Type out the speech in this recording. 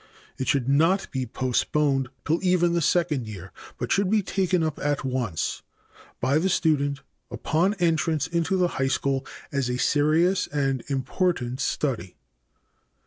It should not be postponed till even the second year, but should be taken up at once by the student upon entrance into the high school as a serious and important study.